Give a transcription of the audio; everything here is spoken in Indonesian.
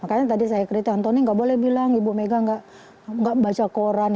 makanya tadi saya kritik antoni nggak boleh bilang ibu mega gak baca koran